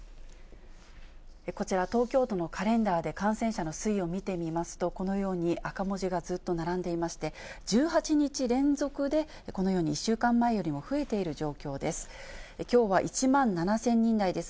こちら、東京都のカレンダーで感染者の推移を見てみますと、このように赤文字がずっと並んでいまして、１８日連続でこのように１週間前よりも増えている状況です。